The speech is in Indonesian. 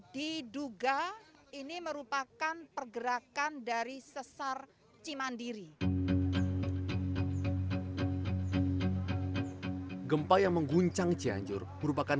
diduga ini merupakan pergerakan dari sesar cimandiri gempa yang mengguncang cianjur merupakan